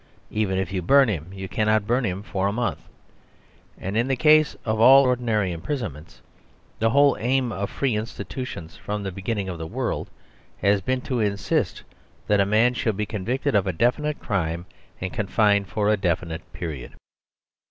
Even if you burn him, you cannot burn him for a month. And in the case of all ordinary imprisonments, the whole aim of free institutions from the beginning of the world has been to insist that a man shall be convicted of a definite crime and confined for a definite period.